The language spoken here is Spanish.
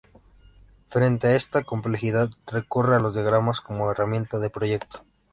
Frente a esta complejidad recurre a los diagramas como herramienta de proyecto.